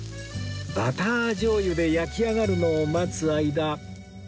バター醤油で焼き上がるのを待つ間